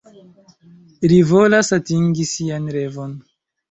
Ri volas atingi sian revon.